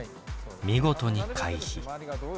見事に回避。